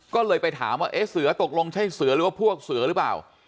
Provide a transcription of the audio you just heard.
ก็เลยไปถามว่าเอ๊ะเสือตกลงใช่เสือหรือว่าพวกเสือหรือเปล่า